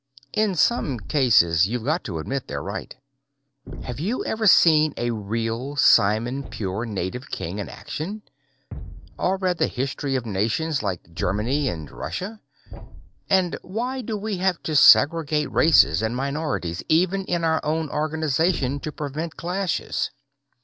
In some cases, you've got to admit they're right. Have you ever seen a real simon pure native king in action? Or read the history of nations like Germany and Russia? And why do we have to segregate races and minorities even in our own organization to prevent clashes?"